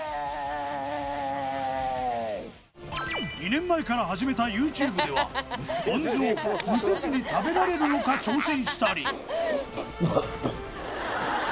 ２年前から始めたユーチューブではポン酢をむせずに食べられるのか挑戦したり。